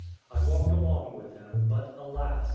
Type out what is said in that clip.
I walked along with him, but, alas!